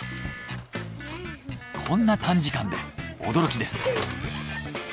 こんな短時間で驚きです。